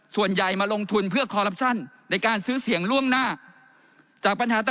ส่วนใหญ่มาลงทุนเพื่อคอรัพชันในการซื้อเสี่ยงล่วงหน้า